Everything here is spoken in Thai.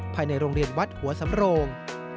ภายในโรงเรียนวัดหัวสำโรง